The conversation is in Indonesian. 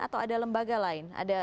atau ada lembaga lain